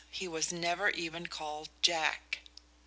He was never even called "Jack."